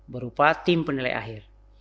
berupa tim penilai akhir